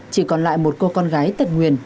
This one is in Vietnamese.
chỉ còn lại một cô con gái tật nguyền